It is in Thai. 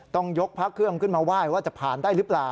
ต้องยกพระเครื่องขึ้นมาไหว้ว่าจะผ่านได้หรือเปล่า